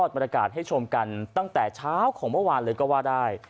บรรยากาศให้ชมกันตั้งแต่เช้าของเมื่อวานเลยก็ว่าได้